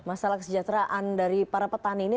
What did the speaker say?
masalah kesejahteraan dari para petani ini